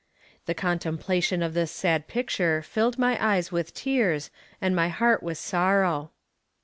The contemplation of this sad picture filled my eyes with tears and my heart with sorrow.